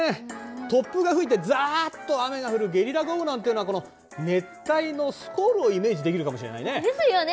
突風が吹いてザッと雨が降るゲリラ豪雨なんてのはこの熱帯のスコールをイメージできるかもしれないね。ですよね。